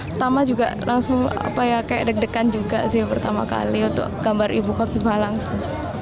pertama juga langsung kayak deg degan juga sih pertama kali untuk gambar ibu kofifa langsung